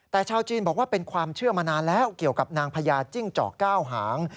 แต่ชาวจีนบอกว่าเป็นความเชื่อมานานแล้วเกี่ยวกับนางพญาจิ้งจอกเก้าหาง